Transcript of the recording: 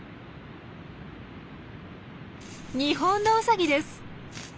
ニホンノウサギです！